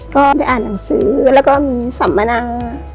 ก็ได้อ่านหนังสือแล้วก็มีสัมมนา